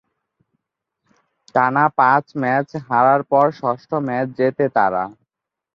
টানা পাঁচ ম্যাচ হারার পর ষষ্ঠ ম্যাচ জেতে তারা।